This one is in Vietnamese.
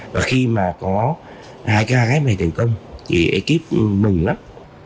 và khi mà có hai ca ghép này thành công thì ekip mừng lắm